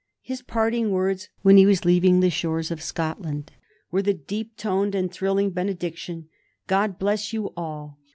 His parting words when he was leaving the shores of Scotland were the deep toned and thrilling benediction, "God bless you all!"